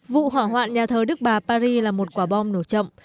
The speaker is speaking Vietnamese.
vụ hỏa hoạn nhà thờ đức bà paris là một quả bom nổ chậm